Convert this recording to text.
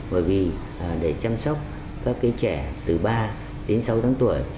bởi vì để chăm sóc các cái trẻ từ ba đến sáu tháng tuổi